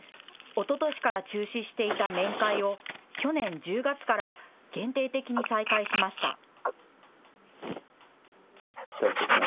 おととしから中止していた面会を、去年１０月から限定的に再開しました。